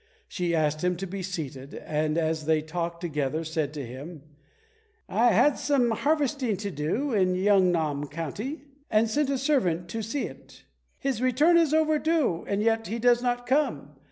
She asked him to be seated, and as they talked together, said to him, "I had some harvesting to do in Yong nam County, and sent a servant to see to it. His return is overdue and yet he does not come.